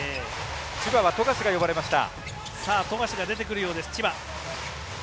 千葉は富樫が呼ばれました。